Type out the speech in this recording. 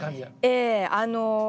ええあの。